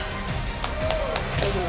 大丈夫？